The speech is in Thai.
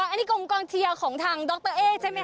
อันนี้กรมกองเชียร์ของทางดรเอ๊ใช่ไหมค